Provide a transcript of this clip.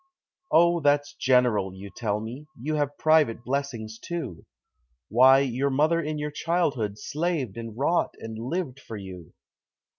"Oh, that's general," you tell me. You have private blessings too. Why, your mother in your childhood slaved and wrought and lived for you.